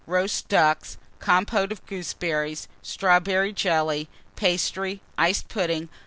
Roast Ducks. Compôte of Gooseberries. Strawberry Jelly. Pastry. Iced Pudding.